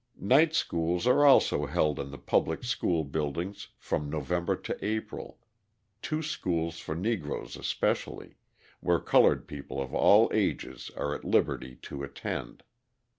Night schools are also held in the public school buildings from November to April two schools for Negroes especially, where coloured people of all ages are at liberty to attend.